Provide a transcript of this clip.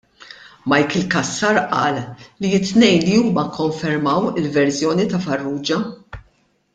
Michael Cassar qal li t-tnejn li huma kkonfermaw il-verżjoni ta' Farrugia.